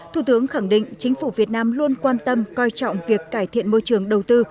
thủ tướng khẳng định chính phủ việt nam luôn quan tâm coi trọng việc cải thiện môi trường đầu tư